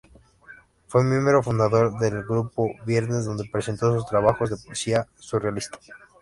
Fue miembro fundador del Grupo Viernes donde presentó sus trabajos de poesía surrealista.